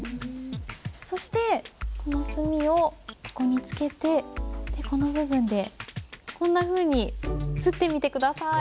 そしてこの墨をここにつけてこの部分でこんなふうに磨ってみて下さい。